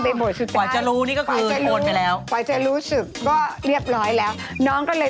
แหมนถึงว่าลูปนี่ใช้ชื่อก็แต่อาสยามเลย